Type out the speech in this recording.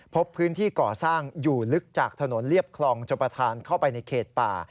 พบพื้นที่ก่อสร้างอยู่ลึกจากถนนเรียบคลองชมประธานเข้าไปในเขตป่า